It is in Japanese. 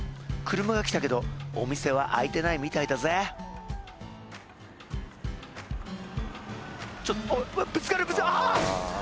車が来たけどお店は開いてないみたいだぜちょっとおいぶつかるぶつかるああっ！